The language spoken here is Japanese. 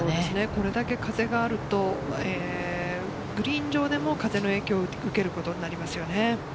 これだけ風があると、グリーン上でも風の影響を受けることになりますよね。